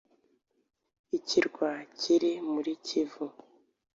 Ikirwa kiri muri kivu